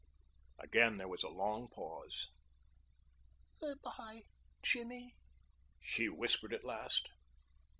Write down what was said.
Again there was a long pause. "Good by Jimmy," she whispered at last.